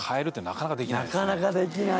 なかなかできないんだ。